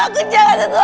aku jangan sentuh